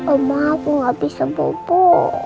oma aku gak bisa bubu